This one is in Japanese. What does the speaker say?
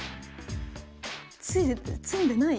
詰んでない？